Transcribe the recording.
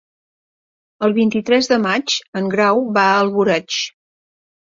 El vint-i-tres de maig en Grau va a Alboraig.